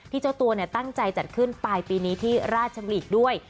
เจ้าตัวตั้งใจจัดขึ้นปลายปีนี้ที่ราชบุรีด้วย